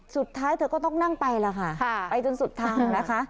สุดท้ายเธอก็ต้องนั่งไปแล้วค่ะไปจนสุดทางนะคะ